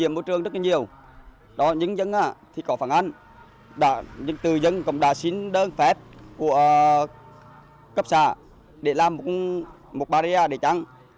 điểm vô trường rất nhiều những dân có phản án những tư dân cũng đã xin đơn phép của cấp xã để làm một barrier để chặn